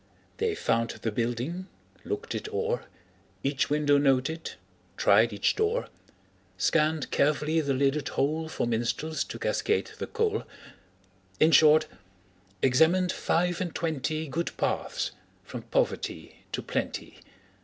They found the building, looked it o'er, Each window noted, tried each door, Scanned carefully the lidded hole For minstrels to cascade the coal In short, examined five and twenty Good paths from poverty to plenty.